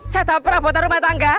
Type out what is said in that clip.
saya dapet robotan rumah tangga